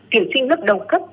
tuyển sinh lớp đầu cấp